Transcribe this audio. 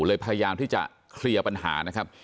พยายามที่จะเคลียร์ปัญหานะครับ